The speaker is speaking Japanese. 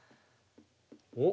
おっ。